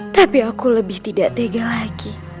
tapi aku lebih tidak tega lagi